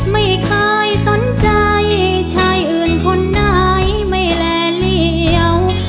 ไม่เคยสนใจชายอื่นคนไหนไม่แลเหลี่ยว